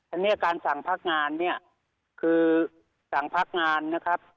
อันนี้การสั่งพักงานเนี่ยคือสั่งพักงานนะครับ